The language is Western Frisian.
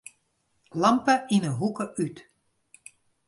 Lampe yn 'e hoeke út.